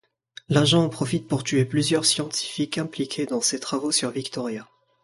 L'agent en profite pour tuer plusieurs scientifiques impliqués dans ces travaux sur Victoria.